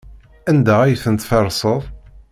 Anda ay tent-tferseḍ?